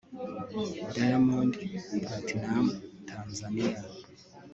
Diamond Platinumz (Tanzania)